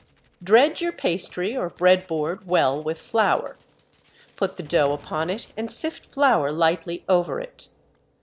Dredge your pastry or bread board well with flour, put the dough upon it and sift flour lightly over it.